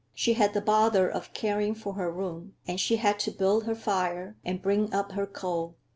She had the bother of caring for her room, and she had to build her fire and bring up her coal.